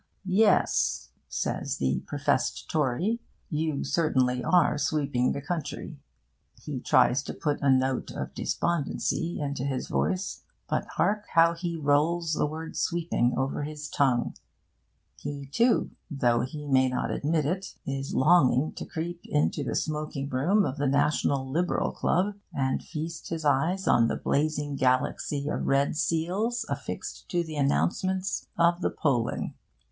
'Yes,' says the professed Tory, 'you certainly are sweeping the country.' He tries to put a note of despondency into his voice; but hark how he rolls the word 'sweeping' over his tongue! He, too, though he may not admit it, is longing to creep into the smoking room of the National Liberal Club and feast his eyes on the blazing galaxy of red seals affixed to the announcements of the polling.